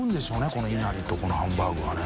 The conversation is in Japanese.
このいなりと海ハンバーグがね。